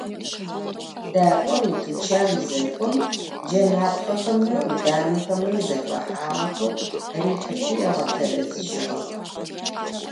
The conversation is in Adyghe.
Дакӏор итучан зэкӏом, джэнапхъэхэмрэ ӏуданэхэмрэ зэхэхьагъэхэу рихьылӏи ыгъэтэрэзыжьыгъэх.